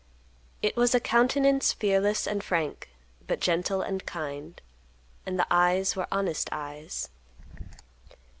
It was a countenance fearless and frank, but gentle and kind, and the eyes were honest eyes.